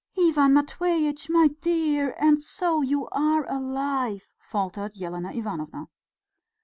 "Ivan Matveitch, my dear, and so you are alive!" faltered Elena Ivanovna.